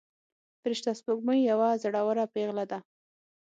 فرشته سپوږمۍ یوه زړوره پيغله ده.